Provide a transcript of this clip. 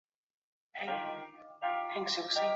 虎尾垄语之语音经过一连串的音变及合并过程。